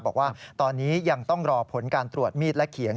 บอกว่าตอนนี้ยังต้องรอผลการตรวจมีดและเขียง